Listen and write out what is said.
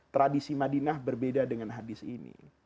tradisi madinah berbeda dengan hadis ini